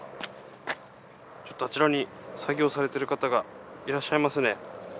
ちょっとあちらに作業されてる方がいらっしゃいますね。